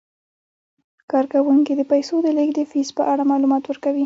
کارکوونکي د پیسو د لیږد د فیس په اړه معلومات ورکوي.